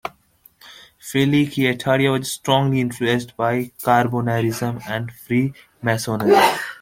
Filiki Eteria was strongly influenced by Carbonarism and Freemasonry.